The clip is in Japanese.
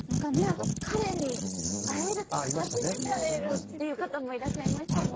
彼に初めて会えるっていう方もいらっしゃいましたよね。